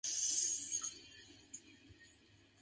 He was born in the comune of Sellano, province of Perugia.